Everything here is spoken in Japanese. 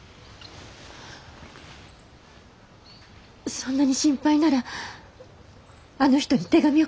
そんなに心配ならあの人に手紙を書くわ。